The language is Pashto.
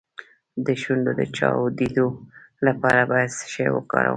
د شونډو د چاودیدو لپاره باید څه شی وکاروم؟